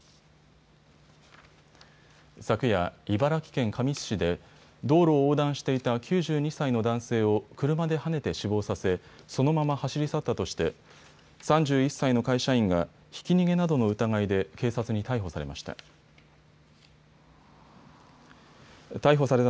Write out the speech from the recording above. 昨夜、茨城県神栖市で道路を横断していた９２歳の男性を車ではねて死亡させそのまま走り去ったとして３１歳の会社員がひき逃げなどの疑いで警察に逮捕されました。